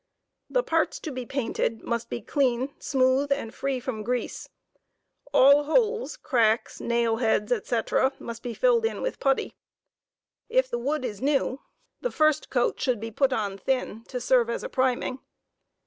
The parts to.be painted must be clean, smooth, and free from grease. All holes, cracks, nail heads, &c, must be filled in with putty. If the wood is new, the first 29 coat should be put 611 thin, to servo as a priming.